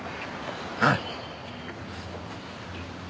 はい。